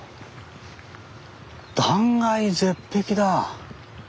断崖絶壁だ。